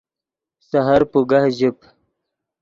سحر پوگہ ژیب